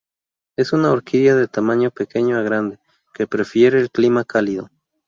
Es una orquídea de tamaño pequeño a grande, que prefiere el clima cálido.